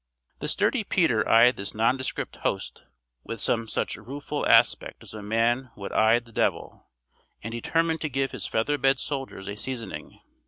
The sturdy Peter eyed this nondescript host with some such rueful aspect as a man would eye the devil, and determined to give his feather bed soldiers a seasoning.